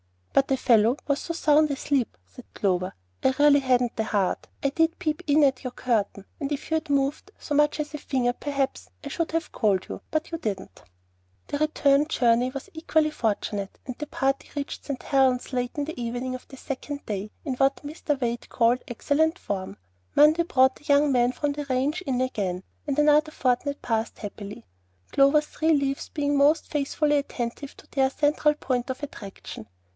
"But a fellow was so sound asleep," said Clover, "I really hadn't the heart. I did peep in at your curtain, and if you had moved so much as a finger, perhaps I should have called you; but you didn't." The return journey was equally fortunate, and the party reached St. Helen's late in the evening of the second day, in what Mr. Wade called "excellent form." Monday brought the young men from the ranch in again; and another fortnight passed happily, Clover's three "leaves" being most faithfully attentive to their central point of attraction.